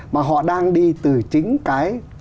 mà họ đang đi từ chính cái